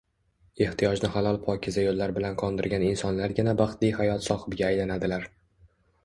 Ehtiyojni halol-pokiza yo‘llar bilan qondirgan insonlargina baxtli hayot sohibiga aylanadilar.